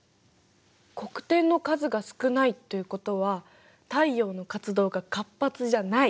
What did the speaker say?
黒点の数が少ないということは太陽の活動が活発じゃない！